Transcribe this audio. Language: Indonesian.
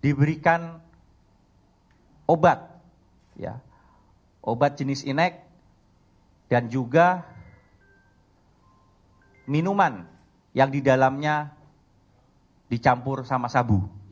diberikan obat jenis inek dan juga minuman yang di dalamnya dicampur sama sabu